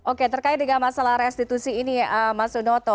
oke terkait dengan masalah restitusi ini mas unoto